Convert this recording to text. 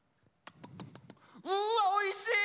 うわおいしい！